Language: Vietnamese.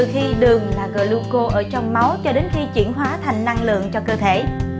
khi đường là gluco ở trong máu cho đến khi chuyển hóa thành năng lượng cho cơ thể